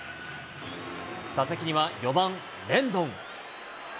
打席には４番レンドン。